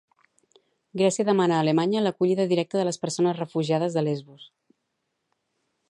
Grècia demana a Alemanya l'acollida directa de les persones refugiades de Lesbos.